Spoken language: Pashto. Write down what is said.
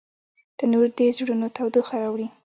تنور د زړونو تودوخه راوړي